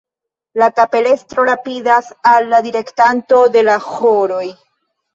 La kapelestro rapidas al la direktanto de la ĥoroj.